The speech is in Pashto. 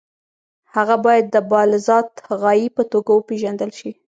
هغه باید د بالذات غایې په توګه وپېژندل شي.